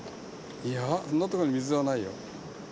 いやそんなとこに水はないよ。